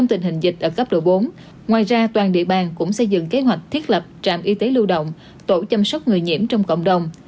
ngoài ra toàn địa bàn cũng xây dựng kế hoạch thiết lập trạm y tế lưu động tổ chăm sóc người nhiễm trong cộng đồng